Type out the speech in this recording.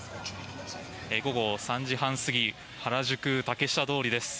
午後３時半過ぎ原宿・竹下通りです。